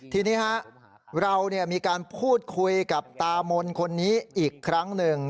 ทีนี้เรามีการพูดคุยกับตามนคนนี้อีกครั้งหนึ่ง